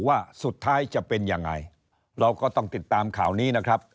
ว่าสุดท้ายจะเป็นยังไงเราก็ต้องติดตามข่าวนี้นะครับ